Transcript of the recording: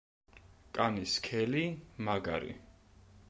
კანი სქელი, მაგარი.